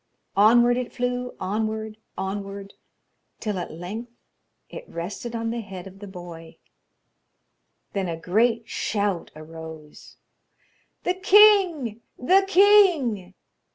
Onward it flew, onward, onward, till at length it rested on the head of the boy. Then a great shout arose: 'The king! the king!'